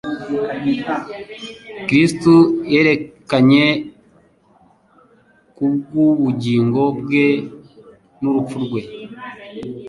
Kristo yerekanye kubw'ubugingo bwe n'urupfu rwe,